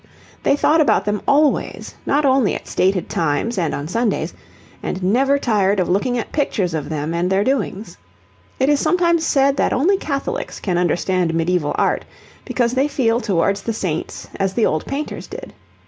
They thought about them always, not only at stated times and on Sundays, and never tired of looking at pictures of them and their doings. It is sometimes said that only Catholics can understand medieval art, because they feel towards the saints as the old painters did.